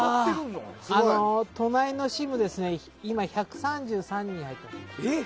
隣のシムに１３３人、入っています。